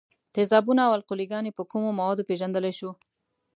تیزابونه او القلي ګانې په کومو موادو پیژندلای شو؟